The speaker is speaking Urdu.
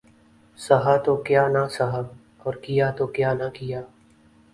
سہا تو کیا نہ سہا اور کیا تو کیا نہ کیا